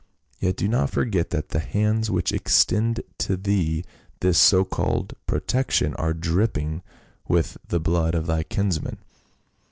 Yet do not forget that the hands which extend to thee this so called protection are dripping with the blood of thy kinsman."